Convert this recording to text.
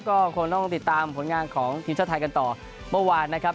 ก็คงต้องติดตามผลงานของทีมชาติไทยกันต่อเมื่อวานนะครับ